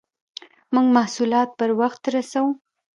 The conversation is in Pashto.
موږ محصولات پر وخت رسوو.